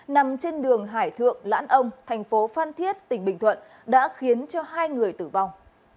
nằm trên đường hải thượng lãn ông thành phố phan thiết tỉnh bình thuận đã khiến hai người tử vong